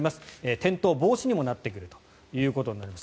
転倒防止にもなってくるということになります。